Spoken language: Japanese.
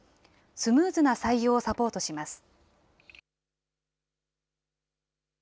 スムーズな採用をサポートします。